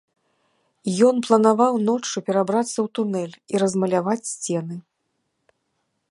Ён планаваў ноччу прабрацца ў тунэль і размаляваць сцены.